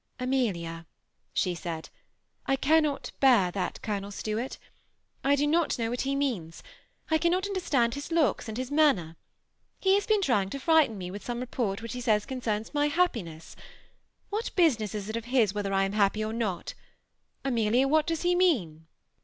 ^ Amelia," she said, ^^ I cannot bear that Colonel Stuart. I do not know what he means. I cannot understand his looks and his man ner. He has been trying to frighten me with some re port which he says concerns my happiness. What business is it of his whether I am happy or not? Amelia, what does he mean?"